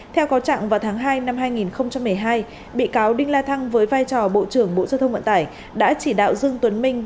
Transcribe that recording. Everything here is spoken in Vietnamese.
theo cáo trạng vào tháng hai năm hai nghìn một mươi hai bị cáo đinh la thăng với vai trò bộ trưởng bộ giao thông vận tải đã chỉ đạo dương tuấn minh